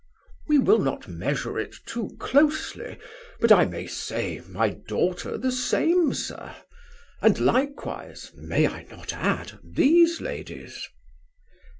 "We will not measure it too closely, but I may say, my daughter the same, sir. And likewise may I not add these ladies."